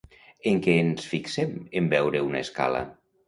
En què ens fixem en veure una escala?